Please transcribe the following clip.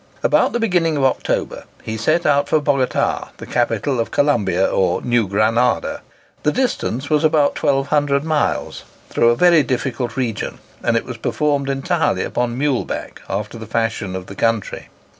About the beginning of October he set out for Bogota, the capital of Columbia or New Granada. The distance was about 1200 miles, through a very difficult region, and it was performed entirely upon mule back after the fashion of the country.